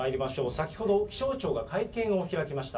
先ほど気象庁が会見を開きました。